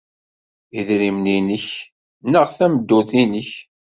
Idrimen-nnek neɣ tameddurt-nnek!